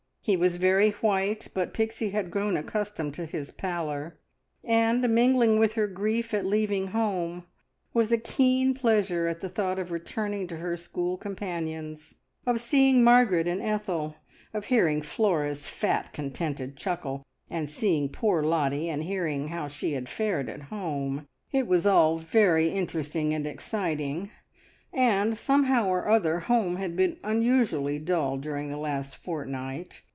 He was very white, but Pixie had grown accustomed to his pallor, and mingling with her grief at leaving home was a keen pleasure at the thought of returning to her school companions, of seeing Margaret and Ethel, of hearing Flora's fat, contented chuckle, and seeing poor Lottie, and hearing how she had fared at home. It was all very interesting and exciting, and somehow or other home had been unusually dull during the last fortnight.